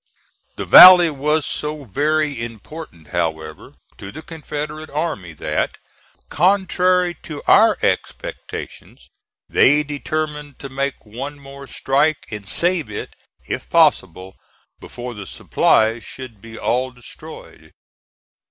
The valley was so very important, however, to the Confederate army that, contrary to our expectations, they determined to make one more strike, and save it if possible before the supplies should be all destroyed.